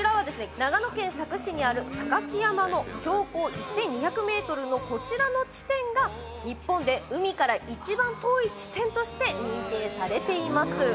長野県佐久市にある榊山の標高１２００ｍのこちらの地点が日本で海から一番遠い地点として認定されています。